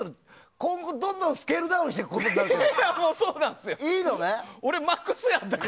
今後どんどんスケールダウンしていくことになるけど。